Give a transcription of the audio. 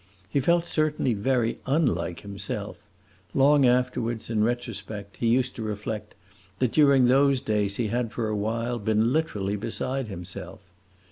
He felt certainly very unlike himself; long afterwards, in retrospect, he used to reflect that during those days he had for a while been literally beside himself.